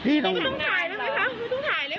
พี่ตั้งใจมาขอเงินคนอื่นใช่ไหมความตั้งใจของพี่อ่ะ